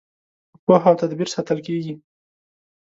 په پوهه او تدبیر ساتل کیږي.